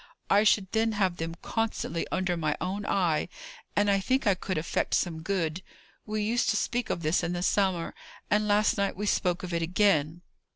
I should then have them constantly under my own eye, and I think I could effect some good. We used to speak of this in the summer; and last night we spoke of it again."